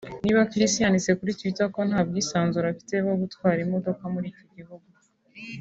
niba Chris yanditse kuri twitter ko “nta bwisanzure afite bwo gutwara imodoka muri iki gihugu”